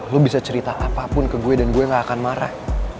lo bisa cerita apapun ke gue dan gue gak akan marah